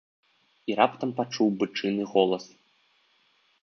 I раптам пачуў бычыны голас.